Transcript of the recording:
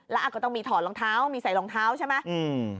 แล้วก็ต้องมีถอดรองเท้ามีใส่รองเท้าใช่ไหมอืม